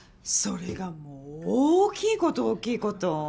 それがもう大きいこと大きいこと。